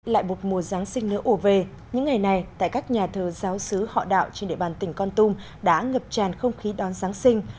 lại một mùa giáng sinh nữa ổ về những ngày này tại các nhà thờ giáo sứ họ đạo trên địa bàn tỉnh con tum đã ngập tràn không khí đón giáng sinh